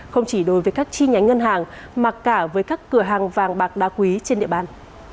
không chỉ đối với các chi nhánh ngân hàng mà cả với các cửa hàng vàng bạc đa quý trên địa bàn